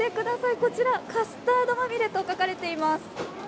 こちら、カスタードまみれと書かれています。